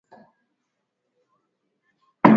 Waweza kupika vyakula vingine mbalimbali kama donati